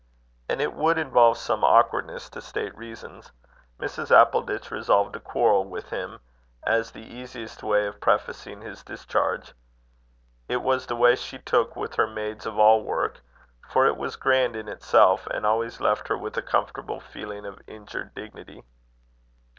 As it would involve some awkwardness to state reasons, Mrs. Appleditch resolved to quarrel with him, as the easiest way of prefacing his discharge. It was the way she took with her maids of all work; for it was grand in itself, and always left her with a comfortable feeling of injured dignity.